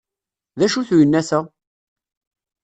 D acu-t uyennat-a?